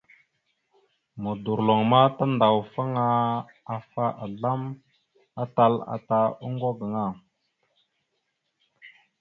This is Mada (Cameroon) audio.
Modorloŋ ma tandawafaŋ afa azlam atal ata oŋgo gaŋa.